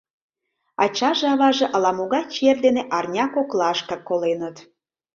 Ачаже-аваже ала-могай чер дене арня коклаштак коленыт.